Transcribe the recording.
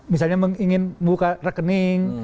misalnya ingin membuka rekening